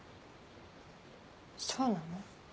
そうなの？